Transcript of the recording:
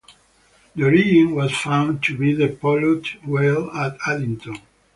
The origin was found to be the polluted well at Addington.